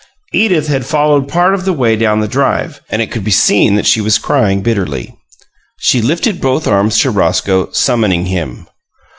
Edith had followed part of the way down the drive, and it could be seen that she was crying bitterly. She lifted both arms to Roscoe, summoning him.